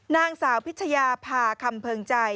นางสาวพิชยาพาคำเพิงใจ